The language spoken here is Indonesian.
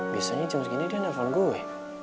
biasanya jam segini dia nelfon gue